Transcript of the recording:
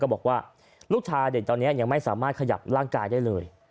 บอกว่าลูกชายเด็กตอนนี้ยังไม่สามารถขยับร่างกายได้เลย